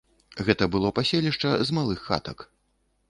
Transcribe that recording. Гэта было паселішча з малых хатак.